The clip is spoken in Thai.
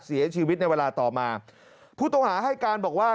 เสียชีวิตในเวลาต่อมาผู้ต้องหาให้การบอกว่า